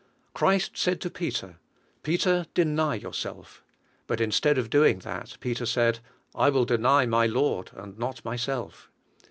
Christ said to Peter, "Peter, deny your self." But instead of doing that, Peter said, "I will deny my Lord and not myself."